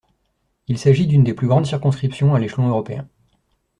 Il s'agit d'une des plus grandes circonscription à l'échelon Européen.